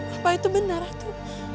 apa itu benar atu